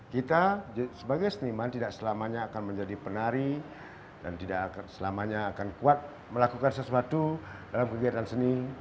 kita sebagai seniman tidak selamanya akan menjadi penari dan tidak selamanya akan kuat melakukan sesuatu dalam kegiatan seni